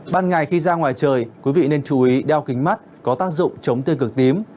ban ngày khi ra ngoài trời quý vị nên chú ý đeo kính mắt có tác dụng chống tiêu cực tím